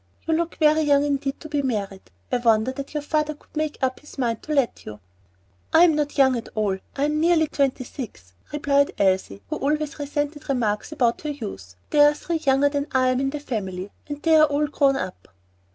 You look very young indeed to be married. I wonder that your father could make up his mind to let you." "I am not young at all, I'm nearly twenty six," replied Elsie, who always resented remarks about her youth. "There are three younger than I am in the family, and they are all grown up."